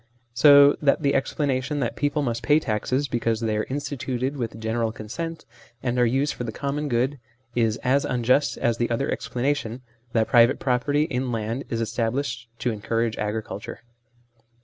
So that the explanation that people must pay taxes because they are instituted with general consent and are used for the common good, is as unjust as the other explanation, that private property in land is established to encourage agriculture.